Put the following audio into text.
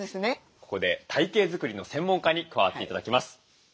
ここで体形作りの専門家に加わって頂きます。